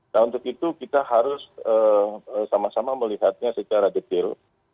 nah untuk itu kita harus sama sama melihatnya secara detail